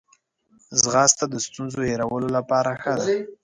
ځغاسته د ستونزو هیرولو لپاره ښه ده